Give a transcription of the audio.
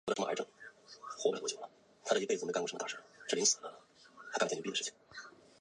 与相邻。